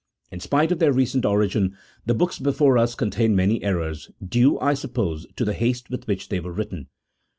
In spite of their recent origin, the books before us contain many errors, due, I suppose, to the haste with which they were written.